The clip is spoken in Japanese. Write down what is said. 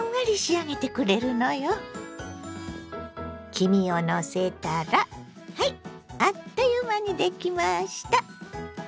黄身をのせたらはいあっという間にできました！